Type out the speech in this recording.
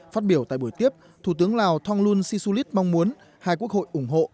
phát biểu tại buổi tiếp thủ tướng lào thong lun si sulit mong muốn hai quốc hội ủng hộ